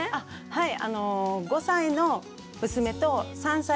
はい。